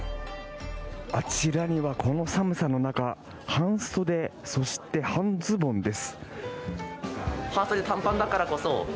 あちらには、この寒さの中半袖、そして半ズボンです。